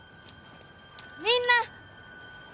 みんな！